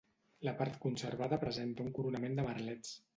La part conservada presenta un coronament de merlets.